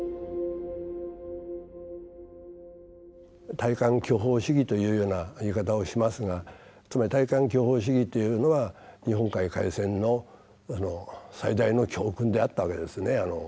「大鑑巨砲主義」というような言い方をしますがつまり大鑑巨砲主義というのは日本海海戦の最大の教訓であったわけですね。